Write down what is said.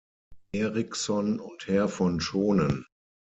Eriksson und Herr von Schonen.